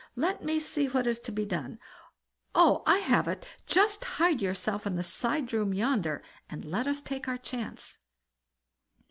Let me see what is to be done. Oh! I have it; just hide yourself in the side room yonder, and let us take our chance."